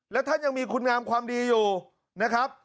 แล้วท่านยังมีคุณงามความดีอยู่นะครับ